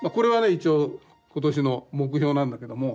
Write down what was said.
一応今年の目標なんだけども。